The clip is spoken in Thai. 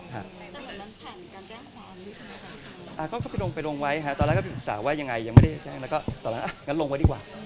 แต่มันผ่านการแจ้งความรู้ชัยไหมครับ